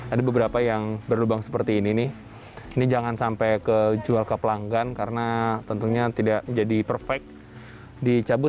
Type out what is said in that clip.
ada beberapa yang berlubang seperti ini nih ini jangan sampai ke jual ke pelanggan karena tentunya tidak jadi perfect dicabut